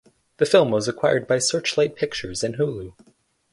The film was acquired by Searchlight Pictures and Hulu.